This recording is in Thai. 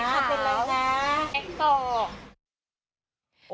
เอาเต็มเล็กตกไหม